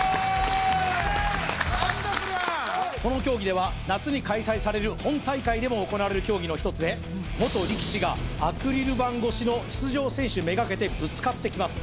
この競技では夏に開催される本大会でも行われる競技の１つで元力士がアクリル板越しの出場選手めがけてぶつかってきます